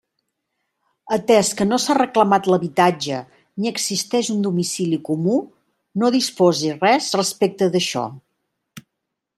Atés que no s'ha reclamat l'habitatge ni existeix un domicili comú, no dispose res respecte d'això.